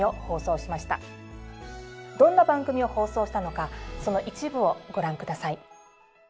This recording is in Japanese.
どんな番組を放送したのかその一部をご覧下さい。